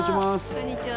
こんにちは。